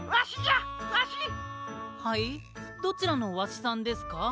どちらのわしさんですか？